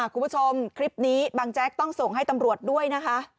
คุณผู้ชมคลิปนี้บางแจ๊กต้องส่งให้ตำรวจด้วยนะคะ